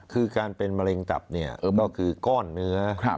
คือการเป็นมะเร็งตับเนี่ยก็คือก้อนเนื้อ